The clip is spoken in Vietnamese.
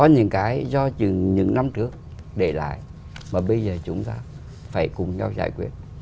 năm trước để lại mà bây giờ chúng ta phải cùng nhau giải quyết